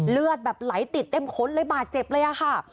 เลือดแบบไหลติดเต็มค้นเลยบาดเจ็บเลยค่ะ